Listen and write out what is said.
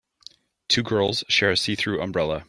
Two girls share a seethrough umbrella